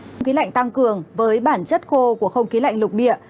không khí lạnh tăng cường với bản chất khô của không khí lạnh lục địa